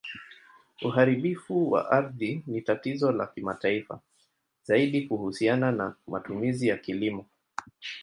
Uharibifu wa ardhi ni tatizo la kimataifa, zaidi kuhusiana na matumizi ya kilimo.